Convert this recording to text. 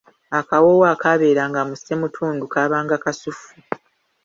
Akawoowo akaabeeranga mu ssemutundu kaabanga kasuffu.